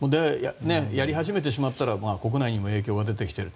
やり始めてしまったら国内にも影響が出始めている。